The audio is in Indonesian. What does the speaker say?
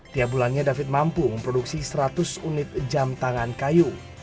tiap bulannya david mampu memproduksi seratus unit jam tangan kayu